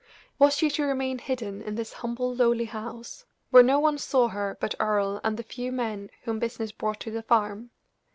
Was she to remain hidden in this humble, lowly house, where no one saw her but Earle and the few men whom business brought to the farm?